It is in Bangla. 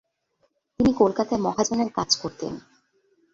তিনি কলকাতায় মহাজনের কাজ করতেন।